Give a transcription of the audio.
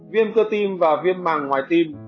viêm cơ tim và viêm màng ngoài tim